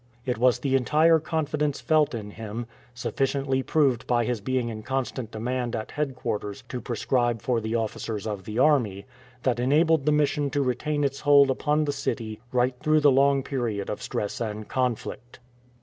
It was the entire confidence felt in hun — sufficiently proved by his being in constant demand at headquarters to prescribe for the officers of the army — that enabled the mission to retain its hold upon the city right through the long period of stress and conflict.